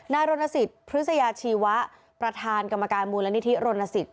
รณสิทธิพฤษยาชีวะประธานกรรมการมูลนิธิรณสิทธ